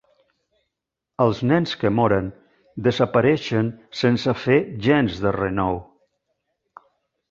Els nens que moren desapareixen sense fer gens de renou.